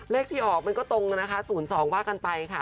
เลขที่ออกมันก็ตรงนะคะ๐๒ว่ากันไปค่ะ